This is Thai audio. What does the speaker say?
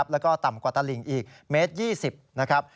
แล้วก็ต่ำกว่าตลิงอีกเมตร๒๐นะครับ